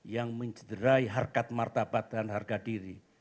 yang mencederai harkat martabat dan harga diri